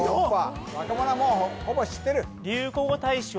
若者はもうほぼ知ってる？